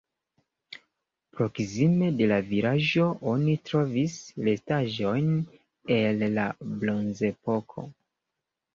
Proksime de la vilaĝo oni trovis restaĵojn el la bronzepoko.